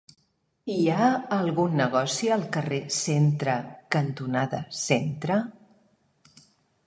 Hi ha algun negoci al carrer Centre cantonada Centre?